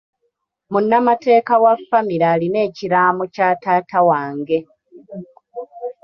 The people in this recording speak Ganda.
Munnamateeka wa famire alina ekiraamo kya taata wange.